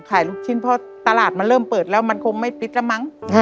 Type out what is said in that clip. ลูกชิ้นเพราะตลาดมันเริ่มเปิดแล้วมันคงไม่ปิดแล้วมั้ง